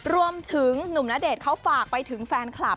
รวมถึงหนุ่มณเดชน์เขาฝากไปถึงแฟนคลับ